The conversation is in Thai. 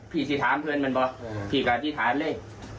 สมมุติว่าพี่สิถามเพื่อนมันเปล่าพี่กับอธิษฐานเลย